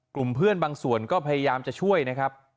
กลุ่มเพื่อนบางส่วนก็พยายามจะช่วยนะครับ